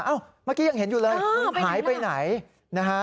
เมื่อกี้ยังเห็นอยู่เลยหายไปไหนนะฮะ